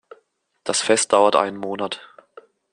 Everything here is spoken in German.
Das Fest dauerte einen Monat.